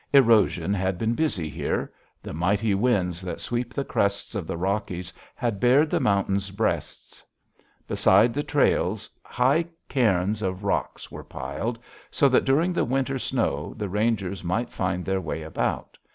Erosion had been busy here. The mighty winds that sweep the crests of the Rockies had bared the mountains' breasts. Beside the trails high cairns of stones were piled, so that during the winter snow the rangers might find their way about.